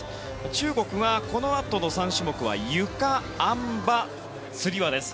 中国はこのあとの３種目はゆか、あん馬、つり輪です。